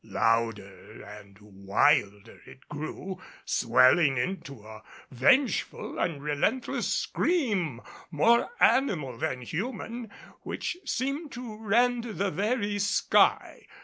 Louder and wilder it grew, swelling into a vengeful and relentless scream, more animal than human, which seemed to rend the very sky.